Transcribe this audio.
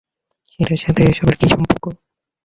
সেটার সাথে এসবের কী সম্পর্ক?